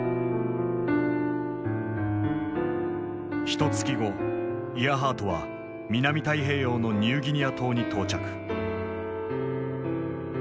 ひとつき後イアハートは南太平洋のニューギニア島に到着。